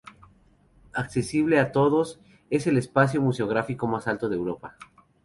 Accesible a todos, es el espacio museográfico más alto de Europa.